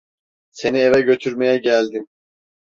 Seni eve götürmeye geldim.